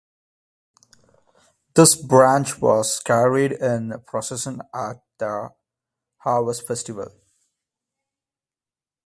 This branch was carried in procession at a harvest festival.